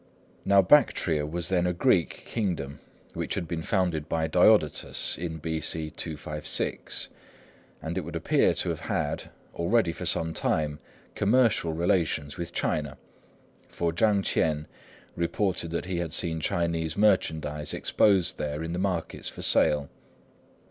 Now Bactria was then a Greek kingdom, which had been founded by Diodotus in B.C. 256; and it would appear to have had, already for some time, commercial relations with China, for Chang Ch'ien reported that he had seen Chinese merchandise exposed there in the markets for sale.